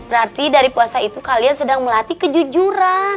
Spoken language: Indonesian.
berarti dari puasa itu kalian sedang melatih kejujuran